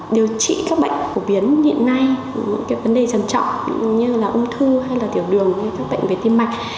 điều trị các bệnh phổ biến hiện nay những cái vấn đề trầm trọng như là ung thư hay là tiểu đường hay các bệnh về tim mạch